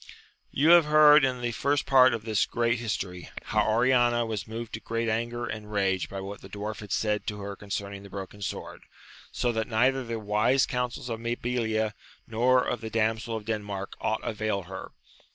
* You have heard in the first part of this great history, how Oriana was moved to great anger and rage by what the Dwarf had said to her concerning the broken sword, so that neither the wise counsels of Mabilia nor of the Damsel of Denmark aught availed her.